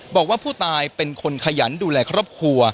บอกว่าผู้ตายเป็นคนขยันดูแลครอบครัว